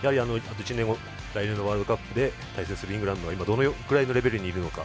１年後来年のワールドカップで対戦するイングランドが今どのくらいのレベルにいるのか。